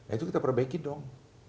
itu kita perbaiki dong